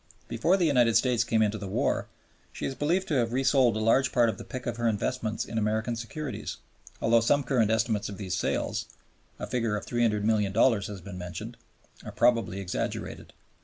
Before the United States came into the war, she is believed to have resold a large part of the pick of her investments in American securities, although some current estimates of these sales (a figure of $300,000,000 has been mentioned) are probably exaggerated.